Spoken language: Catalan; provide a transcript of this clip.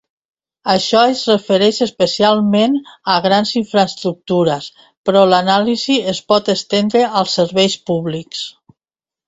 Això es refereix especialment a grans infraestructures, però l'anàlisi es pot estendre als serveis públics.